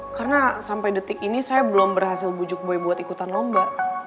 karena sampe detik ini saya belum berhasil bujuk boy buat ikutan lomba